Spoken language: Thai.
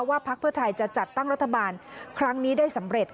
พักเพื่อไทยจะจัดตั้งรัฐบาลครั้งนี้ได้สำเร็จ